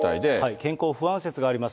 健康不安説があります。